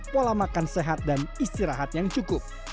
pola makan sehat dan istirahat yang cukup